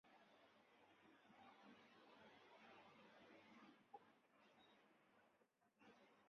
约活动于明弘治至嘉靖年间。